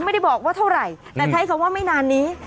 ไม่ได้บอกว่าเท่าไหร่แต่ใช้คำว่าไม่นานนี้